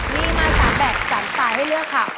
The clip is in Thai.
นี่มา๓แบบ๓ปลายให้เลือกค่ะ